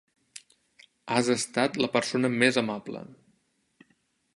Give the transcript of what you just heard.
Has estat la persona més amable.